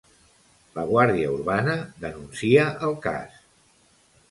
La Guàrdia Urbana denuncia el cas.